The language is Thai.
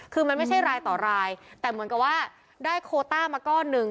คือมันไม่ใช่รายต่อรายแต่เหมือนกับว่าได้โคต้ามาก้อนหนึ่ง